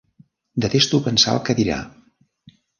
Detesto pensar el què dirà!